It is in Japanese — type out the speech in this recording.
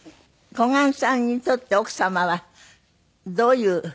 小雁さんにとって奥様はどういう方ですか？